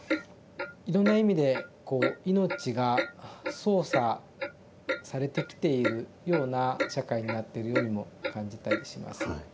いろんな意味でこう命が操作されてきているような社会になっているようにも感じたりします。